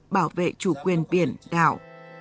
bảo vệ chủ quyền biển đảo